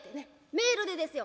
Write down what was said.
メールでですよ。